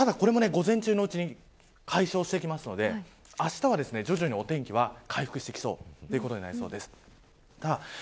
ただこれも、午前中のうちに解消していきますのであしたは徐々にお天気は回復してきそうということになりそうです。